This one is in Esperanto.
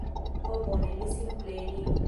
Ho bone... mi simple eniru...